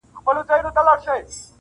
نیمه پټه په زړو څیري جامو کي -